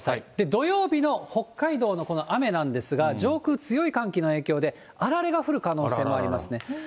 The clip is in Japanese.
土曜日の北海道のこの雨なんですが、上空強い寒気の影響で、あられが降る可能性もありますね。